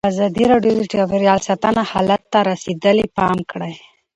ازادي راډیو د چاپیریال ساتنه حالت ته رسېدلي پام کړی.